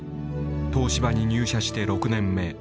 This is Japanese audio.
東芝に入社して６年目。